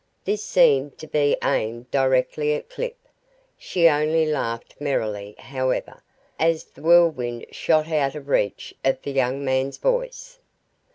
This seemed to be aimed directly at Clip. She only laughed merrily, however, as the Whirlwind shot out of reach of the young man's voice.